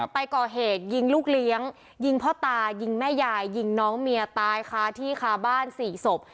ไปก่อเหตุยิงลูกเลี้ยงยิงพ่อตายิงแม่ยายยิงน้องเมียตายคาที่คาบ้าน๔ศพ